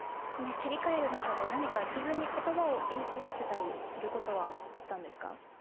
その切り換える中で何か自分にことばを言い聞かせたりすることはあったんですか？